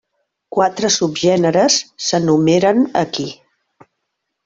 Quatre subgèneres s'enumeren aquí.